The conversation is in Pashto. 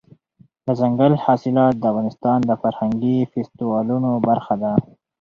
دځنګل حاصلات د افغانستان د فرهنګي فستیوالونو برخه ده.